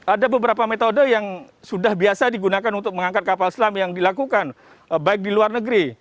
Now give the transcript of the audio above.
ada beberapa metode yang sudah biasa digunakan untuk mengangkat kapal selam yang dilakukan baik di luar negeri